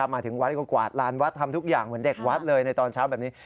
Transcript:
มาถึงวัดก็กวาดลานวัดทำทุกอย่างเหมือนเด็กวัดเลยในตอนเช้าแบบนี้